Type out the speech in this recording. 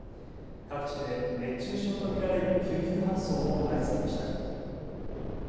各地で熱中症と見られる救急搬送も相次ぎました。